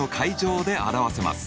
で表せます。